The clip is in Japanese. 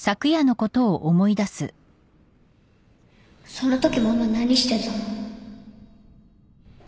そのときママ何してたの？